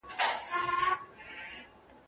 څېړونکی باید په موضوع پوره حاکم وي.